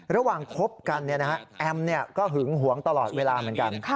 คบกันแอมก็หึงหวงตลอดเวลาเหมือนกัน